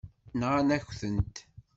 Nɣan-ak-tent.